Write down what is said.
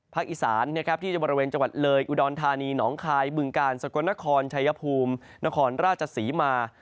อีสานที่จะบริเวณจังหวัดเลยอุดรธานีหนองคายบึงกาลสกลนครชายภูมินครราชศรีมา